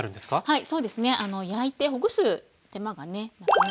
はい。